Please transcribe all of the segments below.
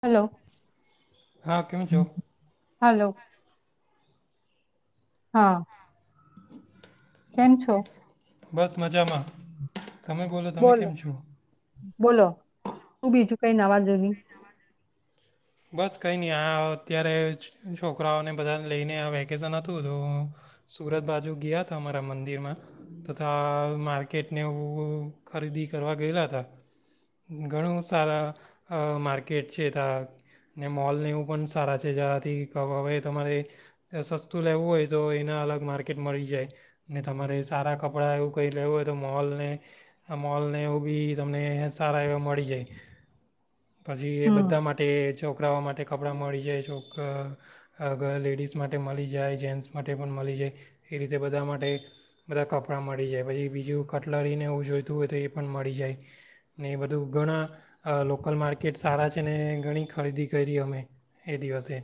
Hello, હા કેમ છો હલો. હા. કેમ છો? બસ મજામાં, તમે બોલો તમે કેમ છો? બોલો, તું બી તું કઈ નાવાજુની. બસ કંઈ નહી આ અત્યારે છોકરાઓને બધાને લઈને આ વેકેશન હતું તો, હું સુરત બાજુ ગયા હતા અમારા મંદિરમાં તથા માર્કેટને એ ખરીદી કરવા ગયેલા હતા, ઘણું સારા માર્કેટ છે ત. ને મોલને એવું પણ સારા છે જથી હવે તમારે, સસ્તું લેવું હોય તો એના અલગ માર્કેટ મળી જાય, ને તમારે સારા કપડાં એવું કઈ લેવું હોય તો મોલને, મોલને એવું બી તમને સારા એવા મળી જાય. પછી એ હમ બધા માટે છોકરાઓ માટે કપડાં મળી જાય છોક, લેડીઝ માટે મળી જાય જેન્ટ્સ માટે પણ મળી જાય, એવી રીતે બધા માટે બધા કપડાં મળી જાય પછી બીજું કટલરીને એ જોઈતું હોય તો એ પણ મળી જાય, ને એ બધું ઘણા લોકલ માર્કેટ સારા છે ને ઘણી ખરીદી કરી અમે એ દિવસે.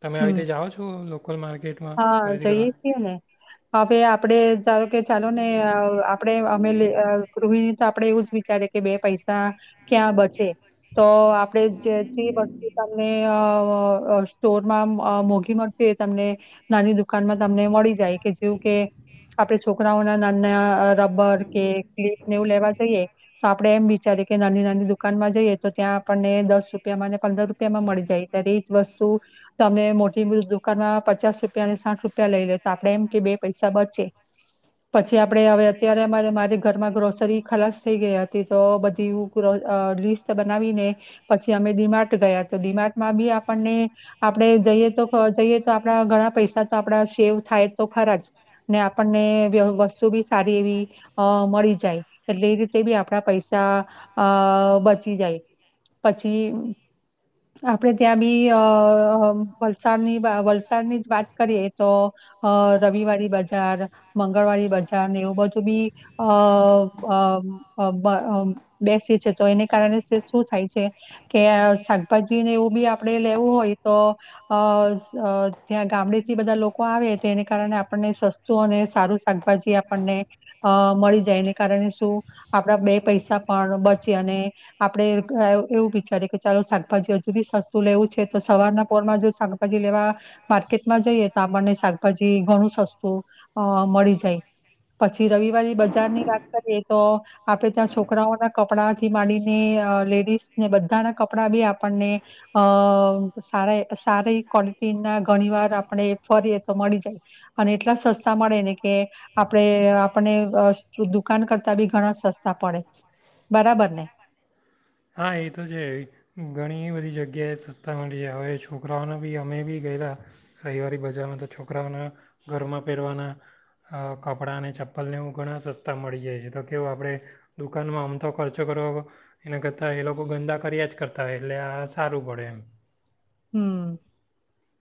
તમે આવી હમ રીતે જાઓ છો લોકલ માર્કેટ? હા જઈએ છીએ ને, હવે આપડે ધારો કે ચાલો કે ચાલો ને આપણે અમે ગૃહિણી તો આપડે એવું જ વિચારી કે બે પૈસા ક્યાં બચે તો આપણેે જ્યાંથી વસ્તુ તમને અ સ્ટોર માં મોઘી મળશે તમને નાની દુકાનમાં તમને મળી જાય. કે જેવું કે આપે છોકરાઓ નાના રબર કે ક્લિકને એવું લેવા જઈએ, તો આપડે એમ બ જ્યારે કે નાની નાની દુકાન માં જઈએ તો ત્યાં આપણને દસ રૂપિયામાં પંદર રૂપિયામાં મળી જાય ત્યારે એ જ વસ્તુ, તમે મોટી દુકાનમાં પચાસ રૂપ રૂપિયાને સાઠ રૂપિયા લઈ લે તો આપડે એમ કે બે પૈસા બચે, પછી આપડે હવે અત્યારે અમારે મારી ઘરમાં ગ્રોસરી ખલાસ થઈ ગઈ હતી તો બધ લિસ્ટ બનાવીને, પછી અમે ડીમાર્ટ ગયા તો ડીમાર્ટમાં બી, આપણને આપણેે જઈએ તો જઈએ તો આપણા પૈસા તો આપડા સેવ થાય તો ખરા જ, ને આપણને વસ્તુ બી સારી એવી મળી જાય, એટલે એ રીતે બી આપણા પૈસા, અ બચી જાય, પછી આપડે ત્યાં બી અ વલસાડ ની વલસાડ ની જ વાત કરીએ તો, અ રવિવારી બજાર, મંગળવારી બજાર ને એવું બધું બી અ બેસી છે તો એને કારણે શું થાય છે, કે શાકભાજીને એવું બી આપણેે લેવું હોય, તો અ ત્યાં ગામડે થી બધા લોકો આવે તો એને કારણે આપણને સસ્તું અને સારું શાકભાજી આપણને મળી જાય એને કારણે શું, આપડા બે પૈસા પણ બચે અને, આપડે એવું વિચારી કે ચાલો શાકભાજી હજુ બી સસ્તું લેવું છે તો સવારના પોરમાં જો શાકભાજી લેવા, માર્કેટ જઈએ તો આપણને શાકભાજી ઘણું સસ્તું અ મળી જાય, પછી રવિવાર બજારની વાત કરીએ તો, આપણે ત્યાં છોકરાઓના કપડાથી માંડીને લેડીઝને બધાના કપડા બી આપણને અ સા સારી ક્વલિટી ના ઘણી વાર આપણે ફરીએ તો મળી જાય, અને એટલા સસ્તા મળે ને કે, આપણે આપને દુકાન કરતા બી ઘણા સસ્તા પડે, બરાબર ને. બી જગ્યાએ સસ્તા મળી જ હવે છોકરાઓને બી અમે બી ગયેલા, રવિવા બસ જેમાં તો છોકરાઓના, ઘરમાં પહેરવાના કપડાં અને ચપ્પલને એવું ઘણા સસ્તા મળી જાય છે તો કેવું આપણે દુકાનમાં આમ તો ખર્ચો કરવા એના કરતાં એ લોકો ગંદા કર્યા જ કરતા હોય એટલે આ સારું પડે એમ. હમ,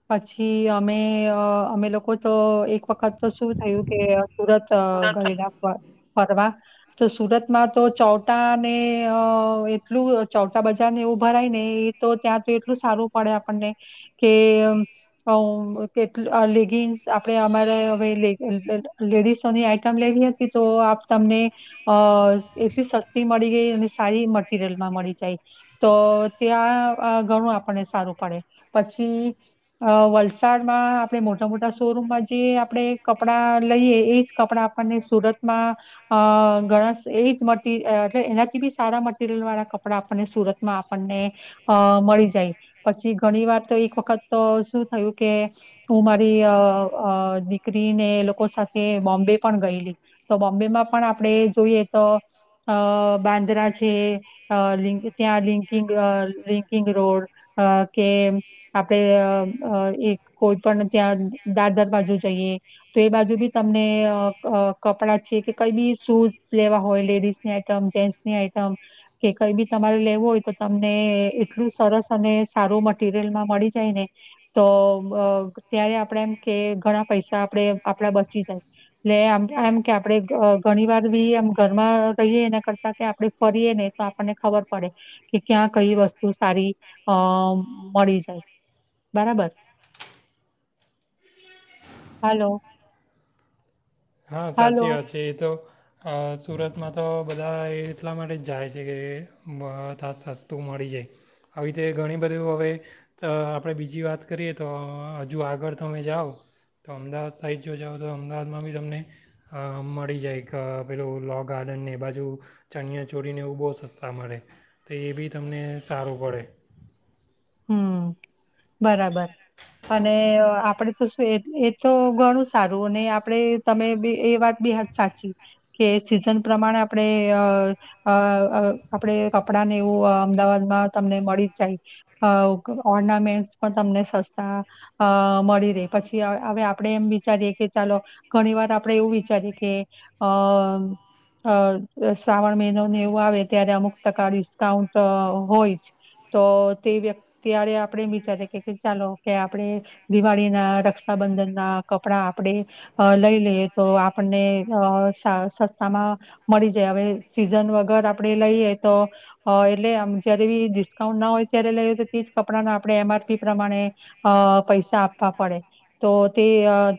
પછી અમે અમે લોકો તો એક વખત તો શું થયું કે સુરત ગયેલા ફરવા તો સુરતમાં તો ચૌટા ને અ એટલું ચોટા બજાર ને એવું ભરાય ને એ તો ત્યાં તો એટલું સારું પડે આપણને, કે કેટ લેગિન્સ આપણે અમારે હવે લે લેડીસોની આઈટમ લેવી હતી તો આપ તમને, અ એટલી સસ્તી મળી ગઈ અને સારી મટીરિયલમાં મળી જાય, તો ત્યાં ઘણું આપણને સારું પડ, પછી વલસાડમાં આપણે મોટા મોટા શોરૂમમાં જે આપણે કપડા લઈએ એજ કપડા આપણને સુરતમાં, અ ઘણા એજ મટીર એટલે એનાથી બી સારા મટીરિયલ વાળા કપડા આપણને સુરતમાં આપણને અ મળી જાય. પછી ઘણી વાર તો એક વખત તો શું થયું કે, હું મારી અહ નીકળીને એ લોકો સાથે બોમ્બે પણ ગયેલી, તો બોમ્બે માં પણ આપણે જોઈએ તો અહ બાંદ્રા છે, અહ લિંક ત્યાં લિંકિંગ રિકિંગ રોડ અહ કે આપડે અહ એક કોઈ પણ ત્યાં દાદર બાજુ જઈએ તો, એ બાજુ બી તમને અહ કપડાં છે, કે કંઈ બી શૂઝ લેવા હોય, લેડીઝની આઈટમ, જેન્ટ્સની આઈટમ કે કંઈ બી તમારે લેવું હોય તો તમને એટલું સરસ અને સારું મટીરિયલમાં મળી જાય ને તો અહ ત્યારે આપણે એમ કે ઘણા પૈસા આપણે આપડા બચી જાય, ને આમ-આમ કે આપણેે ઘણી વાર બી એમ ઘરમાં રહીએ એના કરતા કે આપણે ફરીએ ને તો આપણને ખબર પડે કે, ક્યાં કઈ વસ્તુ સારી અહ મળી જાય બરાબર. હાલો? હા. સાચી વાત છે એ તો. અહ સુરતમાં તો બધા એ એટલા માટે જ જાય છે કે બ તાસ સસ્તું મળી જાય આવી રીતે ઘણી બધી હવે આપણે બીજી વાત કરીએ તો હજુ આગળ તમે જાઓ તો અમદાવાદ સાઈડ જો જાઓ તો અમદાવાદમાં બી તમને મળી જાય પેલું લો ગાર્ડનને બાજુ ચણિયા ચોરીને એવું બહુ સસ્તા મળે તો, એ બી તમને સારું પડે હમ. બરાબર અને આપડે તો એ તો ઘણું સારું અને આપણેે તમે એ વાત બી સાચી કે, સિઝન પ્રમાણે આપણેે આપણેે કપડા ને એવું અમદાવાદમાં તમને મળી જ જાય. અ ઓર્નામેન્ટ પણ તમને સસ્તા અ મળી રહે, પછી હવે આપડે એમ વિચારીએ કે ચાલો ઘણી વાર આપણે એવું વિચારીએ કે અ શ્રાવણ મહિનોનું એવું આવે ત્યારે અમુક ટકા ડિસ્કાઉન્ટ હોય જ, તો તે વ્ય ત્યારે આપણે એમ વિચારી કે ચાલો કે આપણેે દિવાળી ના રક્ષાબંધન ના કપડા આપણે લઈ લઈ. તો આપને સસ્તામાં મળી જાય હવે સીઝન વગર આપણે લઈએ તો એટલે જયારે બી ડિસ્કાઉન્ટ ના હોય ત્યારે લઈએ તો તેજ કપડાને આપણે એમઆરપી પ્રમાણે અ પૈસા આપવા પડે તો, તે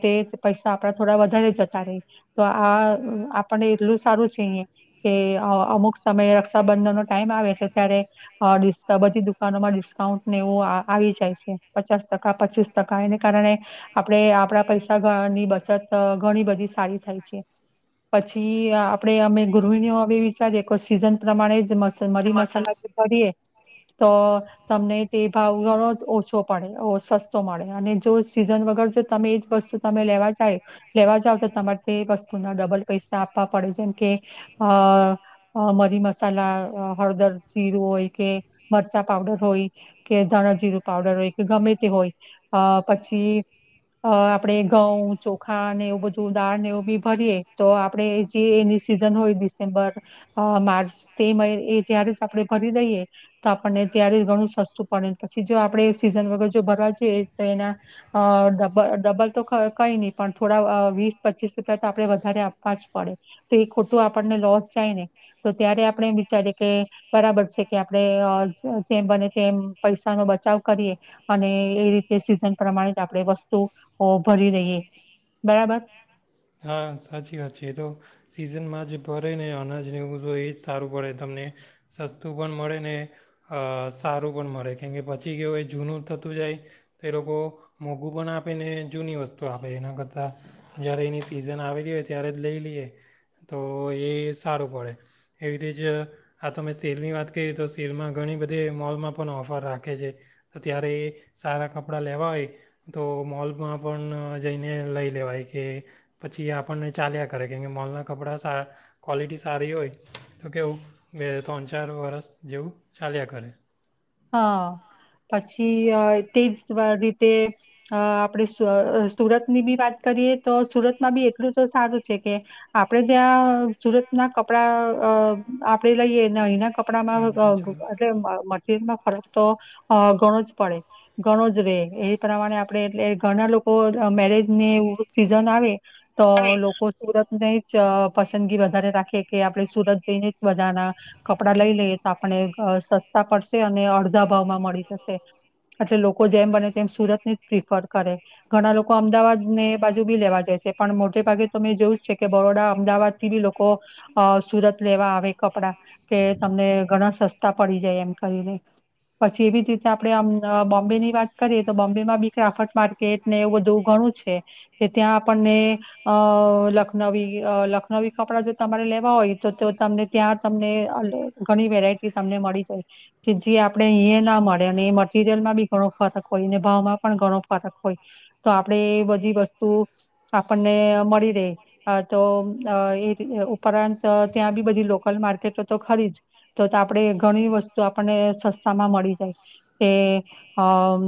તે પૈસા આપણા થોડા વધારે [unintelligible] તો આ આપને એટલું સારું છે કે અમુક સમયે રક્ષાબંધન નો ટાઈમ આવે એટલે ત્યારે [unintelligible] બધી માં ડિસ્કાઉન્ટને એવું આવી જાય છે, પચાસ ટકા, પચીસ ટકા એને કારણે આપણે આપડા પૈસા ની બચત ઘણી બધી સારી થાય છે, પછી આપણેે અમે ગુરહિણી વિચારીએ કે, સીઝન પ્રમાણે જ મરી મસાલા કરીએ તો તમને તે ભાવ ઘો જ ઓછો પડે સસ્તો મળે અને જો સીઝન વગર જો તમે એજ વસ્તુ તમે લેવા જાય, લેવા જાવ તો તમારે તે વસ્તુના ડબલ પૈસા આપવા પડે જેમ કે, અ મરી મસાલા હળદર જીરું હોય કે મરચા પાવડર હોય કે ધણાજીરું પાવડર હોય કે ગમે તે હોય અ પછી આપણેે ઘ ચોખા ને એવું બધું દાળને એવું બી ભરીએ તો આપડણે જે એની સિઝન હોય ડિસેમ્બર માર્ચ તે મિ એ ત્યારે જ આપણે ભરી દઈએ તો આપણને ત્યારેય ઘણું સસ્તું પડે, પછી જો આપણેે સીઝન વગર જો ભરવા જઈએ તો એના અહ ડબલ-ડબલ તો ક કંઈ નહીં પણ થોડા આ વીસ, પચીસ રૂપિયા તો આપણે વધારે આપવા જ પડે. તો એ ખોટું આપણને લોસ જાય ને, તો ત્યારે આપણે એમ વિચારીએ કે બરાબર છે કે આપણે જેમ બને તેમ પૈસા નો બચાવ કરીએ, અને એ રીતે સીઝન પ્રમાણે જ આપણે વસ્તુ ભરી લેઈ હા, સાચી વાત છે. એ તો સિઝનમાં જે ભરે ને અનાજ ને એવું બધું એ જ સારું પડે તમને, સસ્તું પણ મળે ને અહ સારું પણ મળે. કેમ કે, પછી કેવું હોય જૂનું થતું જાય, તો એ લોકો મોંઘું પણ આપે ને જૂની વસ્ તુ આપે એના કરતાં જ્યારે એની સિઝન આવેલી હોય ત્યારે જ લઈ લઈએ તો, એ સારું પડે. એવી રી જ આ તો મેં સેલની વાત કયરી તો, સેલમાં ઘણી બધી એવી મોલમાં પણ ઓફર રાખે છે. તો ત્યારે એ સારા કપડાં લેવા હોય તો, મોલમાં પણ જઈને લઈ લેવાય કે પછી આપણને ચાલ્યા કરે. કેમ કે મોલના કપડા સાર ક્વૉલિટી સારી હોય. તો કેવું, બે, તણ, ચાર વરસ જેવું ચાલ્યા કરે. હા, પછી અહ તેજ ત્વ રીતે અહ આપણેે સ સુરતની બી વાત કરીએ તો સુરતમાં બી એટલું તો સારું છે કે, આપણેે ત્યાં સુરતના કપડા અહ આપણેે લઈએ ને અહીંના ક કપડામાં મન કઈ ચાલો [unintelligible] મટિરીયલમાં ફરક તો અહ ઘણો જ પડે, ઘણો જ રહે. એ પ્રમાણે આપણેે એટલે ઘણા લોકો મેરેજ ને એવું સીઝન આવે તો લોકો સુરતનેય ચ પસંદગી વધારે રાખીએ કે આપણે સુરત જઈને જ બધાના કપડા લઈ લઈએ તો આપણે ઘ સસ્તા પડશે અને અડધા ભાવમાં મળી જશે. અટલે લોકો જેમ બને તેમ સુરત ને જ પ્રિફર કરે. ઘણા લોકો અમદાવાદ ને એ બાજુ બી લેવા જાય છે. પણ, મોટે ભાગે તો મેં જોયું છે કે, બરોડા, અમદાવાદ થી બી લોકો અ સુરત લેવા આવે કપડા કે, તમને ઘણા સસ્તા પડી જાય એમ કરીને. પછી એવી જ રીતના આપળે આમ અ બોમ્બેની વાત કરીએ તો, બોમ્બેમાં બી ક્રાફટ માર્કેટ ને એવું બધું ઘણું છે. કે ત્યાં આપણને અ લખનવી અ લખનવી કપડા જો તમારે લેવા હોય તો-તો તમને ત્યાં તમને અલ ઘણી વેરાયટી તમને મળી જાય. કે જે આપળે અહીયા ના મળે અને એ મટીરિયલમાં બી ઘણો ફરક હોય ને ભાવમાં પણ ઘણો ફરક હોય. તો આપડે એ બધી વસ્ તો આપણને મળી રેય. અ તો અ એ રી ઉપરાંત ત્યાં બી બધી લોકલ માર્કેટો તો ખરી જ. તો તો આપણેે ઘણી વસ્તુ આપ પને સસ્તા માં મળી જાય. તે અમ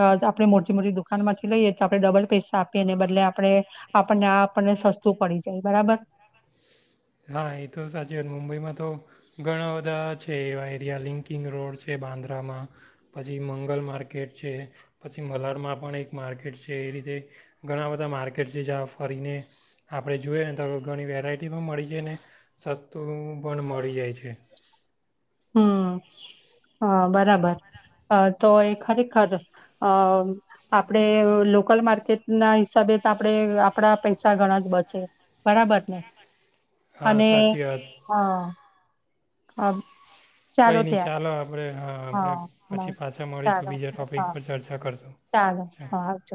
અ આપણે મોટી-મોટી દુકાનમાં થી લઈએ તો આપણે ડબલ પૈસા આપી એને બદલે આપળે આપણને આપણને સસ્તું પળી જાય. બરાબર. હા એ તો સાચી વાત મુંબઈમાં તો ઘણા બધા છે એવા એરિયા લિંકિંગ રોડ છે બાંદ્રામાં, પછી મંગલ માર્કેટ છે, પછી મલાડમાં પણ એક માર્કેટ છે. એ રીતે ઘણા બધા માર્કેટ છે જ્યાં ફરીને આપણે જોએ ને તો આપળે ઘણી વેરાયટી પણ મળી જાય ને સસ્તું પણ મળી જાય છે. હે. હમ્મ, હા બરાબર. અ તો એ ખરેખર અ આપડે લોકલ માર્કેટ ના હિસાબે તો આપળે આપડા પૈસા ઘણા જ બચે. બરાબર ને? હા અને, સાચી વાત હા. અ. કઈ ની ચાલો આપળે, હા આપણે, હા પછી પાછા મળીશું. ચાલો બીજા ટોપિક હા પર ચર્ચા કરશું ચાલો ચાલ. હા આવજો